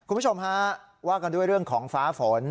คุณผู้ชมฮะว่ากันด้วยเรื่องของฟ้าฝน